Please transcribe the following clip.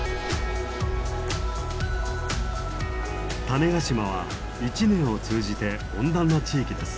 種子島は一年を通じて温暖な地域です。